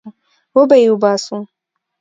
وبې يې باسو.